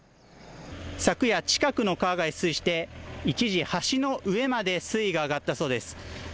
昨夜近くの川が越水して一時橋の上まで水位が上がったそうです。